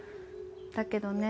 だけどね